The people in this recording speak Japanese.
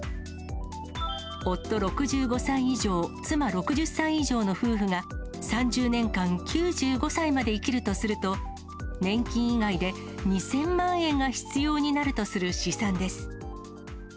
夫６５歳以上、妻６０歳以上の夫婦が、３０年間、９５歳まで生きるとすると、年金以外で２０００万円が必要になるとする試算です。